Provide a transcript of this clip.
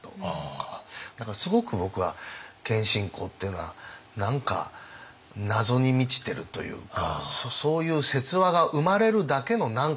すごく僕は謙信公っていうのは何か謎に満ちてるというかそういう説話が生まれるだけの何かがあるんじゃないか。